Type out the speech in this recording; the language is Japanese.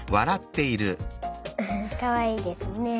フフッかわいいですね。